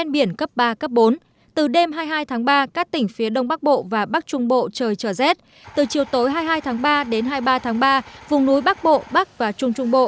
bộ bắc trung bộ trời trở rét từ chiều tối hai mươi hai tháng ba đến hai mươi ba tháng ba vùng núi bắc bộ bắc và trung trung bộ